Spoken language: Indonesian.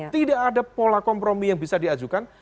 tidak ada pola kompromi yang bisa diajukan